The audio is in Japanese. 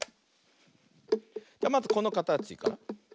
じゃまずこのかたちから。